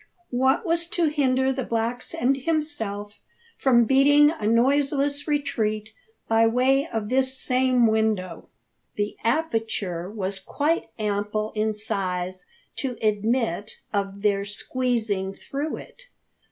What was to hinder the blacks and himself from beating a noiseless retreat by way of this same window? The aperture was quite ample in size to admit of their squeezing through it.